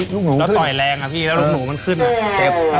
แล้วต่อยแรงอะพี่แล้วลูกหนูมันขึ้นอ่ะเจ็บ